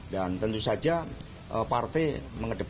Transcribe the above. dan tentu saja partai mengedepan